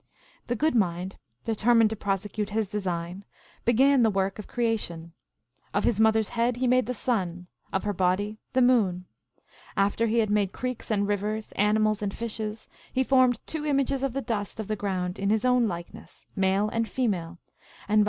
The Good Mind, determined to prosecute his design, began the work of creation. Of his moth er s head he made the sun, of her body the moon. After he had made creeks and rivers, animals and fishes, he formed two images of the dust of the ground in his own likeness, male and female, and by his 1 The Primitive Inhabitants of Scandinavia.